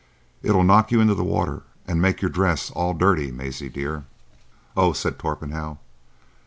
It'll knock you into the water and make your dress all dirty, Maisie dear." "Oh!" said Torpenhow.